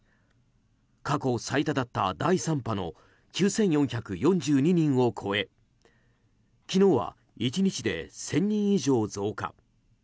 過去最多だった第３波の９４４２人を超え昨日は１日で１０００人以上増加。